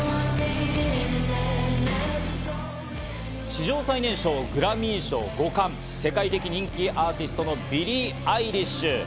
史上最年少グラミー賞５冠、世界的人気アーティストのビリー・アイリッシュ。